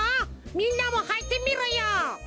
みんなもはいてみろよ！